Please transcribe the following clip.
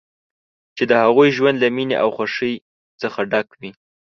چې د هغوی ژوند له مینې او خوښۍ څخه ډک وي.